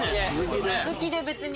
続きで別に。